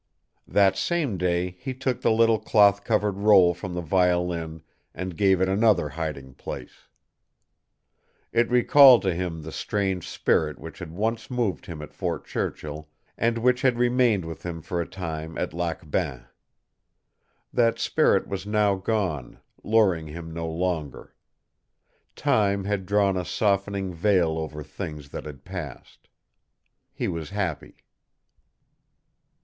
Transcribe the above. That same day he took the little cloth covered roll from the violin and gave it another hiding place. It recalled to him the strange spirit which had once moved him at Fort Churchill, and which had remained with him for a time at Lac Bain. That spirit was now gone, luring him no longer. Time had drawn a softening veil over things that had passed. He was happy.